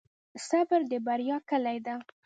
صبر د بریا کلي ده.